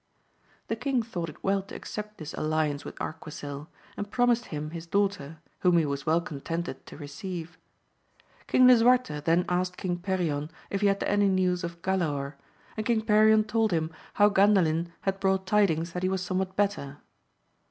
The king thought it well to accept this alliance with Arquisil, and promised him his daughter, whom he was well contented to receive. King Lisuarte then asked King Perion if he had any news of Galaor, and King Perion told him how Gan dalin had brought tidings that he was somewhat better.